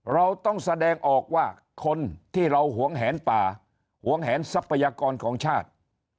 เราต้องแสดงออกว่าคนที่เราหวงแหนป่าหวงแหนทรัพยากรของชาติ